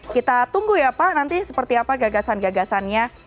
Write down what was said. kita tunggu ya pak nanti seperti apa gagasan gagasannya